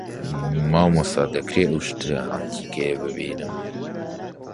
مامۆستا دەکرێ ئەو شتە عەنتیکەیە ببینم؟